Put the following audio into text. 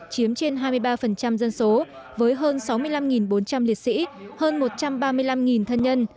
chiếm trên hai mươi ba dân số với hơn sáu mươi năm bốn trăm linh liệt sĩ hơn một trăm ba mươi năm thân nhân